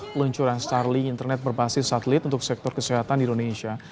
peluncuran starling internet berbasis satelit untuk sektor kesehatan di indonesia